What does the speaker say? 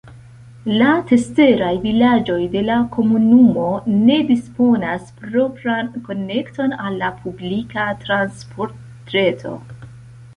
La ceteraj vilaĝoj de la komunumo ne disponas propran konekton al la publika transportreto.